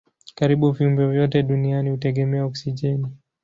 Karibu viumbe vyote duniani hutegemea oksijeni.